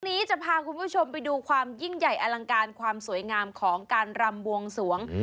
วันนี้จะพาคุณผู้ชมไปดูความยิ่งใหญ่อลังการความสวยงามของการรำบวงสวง